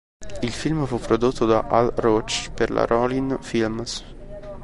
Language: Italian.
Il film fu prodotto da Hal Roach per la Rolin Films.